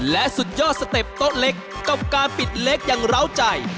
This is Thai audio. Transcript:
และสุดยอดสเต็ปโต๊ะเล็กกับการปิดเล็กอย่างร้าวใจ